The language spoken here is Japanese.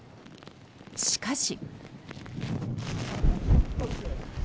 しかし。